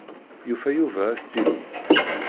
Yufa Yuba astilu.